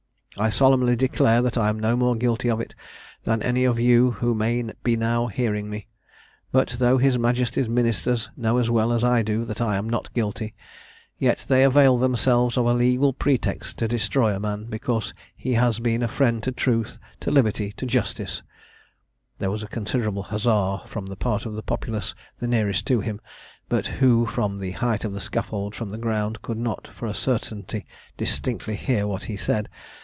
I solemnly declare that I am no more guilty of it than any of you who may be now hearing me. But, though his Majesty's ministers know as well as I do that I am not guilty, yet they avail themselves of a legal pretext to destroy a man, because he has been a friend to truth, to liberty, and justice " [There was a considerable huzza from part of the populace the nearest to him, but who, from the height of the scaffold from the ground, could not, for a certainty, distinctly hear what was said.